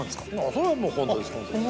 それはもう本当です。